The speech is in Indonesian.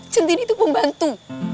centini tuh pembantu